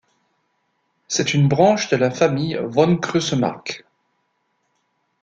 C'est une branche de la famille von Krusemarck.